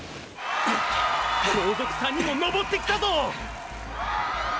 後続３人も登ってきたぞ！！